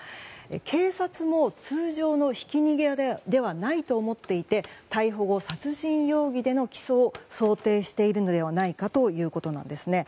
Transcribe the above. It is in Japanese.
警察も通常のひき逃げではないと思っていて逮捕後、殺人容疑での起訴を想定しているのではないかということなんですね。